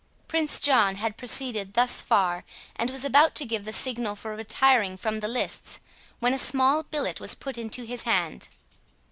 Prince John had proceeded thus far, and was about to give the signal for retiring from the lists, when a small billet was put into his hand.